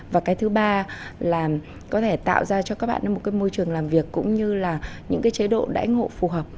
và cái thứ ba là có thể tạo ra cho các bạn một cái môi trường làm việc cũng như là những cái chế độ đãi ngộ phù hợp